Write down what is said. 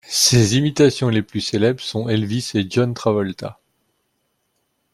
Ses imitations les plus célèbres sont Elvis et John Travolta.